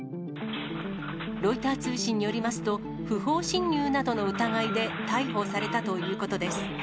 ロイター通信によりますと、不法侵入などの疑いで逮捕されたということです。